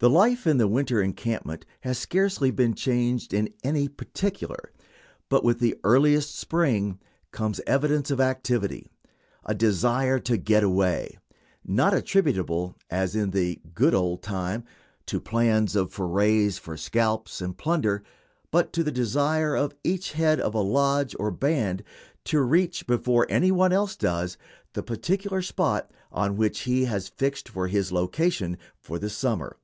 The life in the winter encampment has scarcely been changed in any particular, but with the earliest spring come evidences of activity, a desire to get away; not attributable, as in the "good old time," to plans of forays for scalps and plunder, but to the desire of each head of a lodge or band to reach, before any one else does, the particular spot on which he has fixed for his location for the summer.